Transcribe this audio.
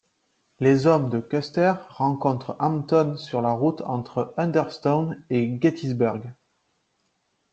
Les hommes de Custer rencontrent Hampton sur la route entre Hunterstown et Gettysburg.